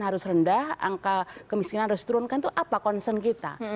harus rendah angka kemiskinan harus diturunkan itu apa concern kita